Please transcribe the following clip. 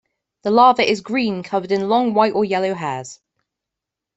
The larva is green, covered in long white or yellow hairs.